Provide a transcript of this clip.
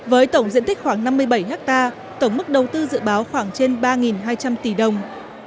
với tổng diện tích khoảng năm mươi bảy hectare tổng mức đầu tư dự báo khoảng trên ba hai trăm linh tỷ đồng